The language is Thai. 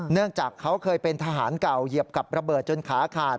เนื่องจากเขาเคยเป็นทหารเก่าเหยียบกับระเบิดจนขาขาด